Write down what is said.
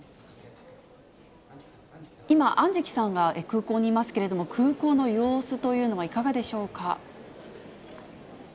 今、安食さんが空港にいますけれども、空港の様子というのは、いかがでしょうか。